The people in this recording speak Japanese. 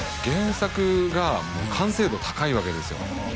原作がもう完成度高いわけですよ